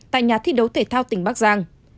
tại nhà thi đấu thể thao tỉnh bác giang